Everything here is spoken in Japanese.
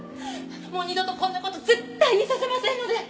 もう二度とこんな事絶対にさせませんので！